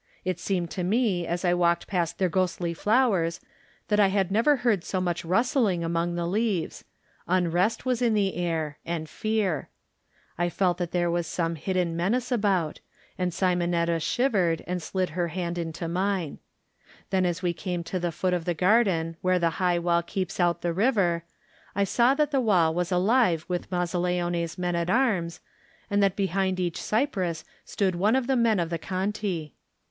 It seemed to me as I walked past their ghostly flowers that I had never heard so much rustling among the leaves; unrest was in the air, and fear. I felt that there was some hidden menace 71 Digitized by Google THE NINTH MAN about, and Simonetta shivered and slid her hand into mine. Then as we came to the foot of the garden where the high wall keeps out the river, I saw that the wall was alive with Mazzaleone's men at arms, and that behind each cypress stood one of the men of the Conti.